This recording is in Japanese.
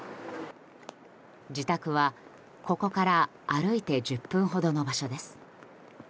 自宅はここから歩いて１０分ほどの場所です。